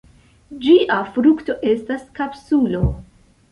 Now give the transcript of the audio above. Ĝia frukto estas kapsulo.